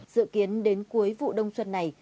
dự kiến đến cuối vụ đông xuân này